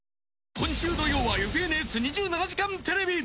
今週土曜は「ＦＮＳ２７時間テレビ」。